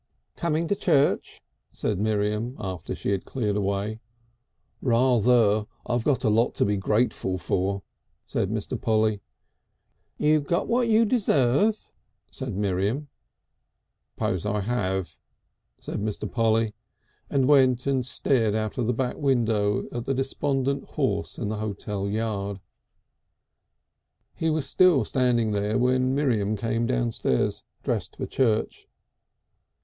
"Coming to church?" said Miriam after she had cleared away. "Rather. I got a lot to be grateful for," said Mr. Polly. "You got what you deserve," said Miriam. "Suppose I have," said Mr. Polly, and went and stared out of the back window at a despondent horse in the hotel yard. He was still standing there when Miriam came downstairs dressed for church.